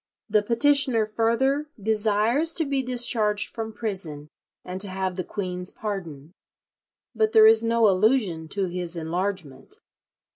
The petitioner further "desires to be discharged from prison, and to have the queen's pardon," but there is no allusion to his enlargement.